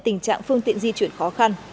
tình trạng phương tiện di chuyển khó khăn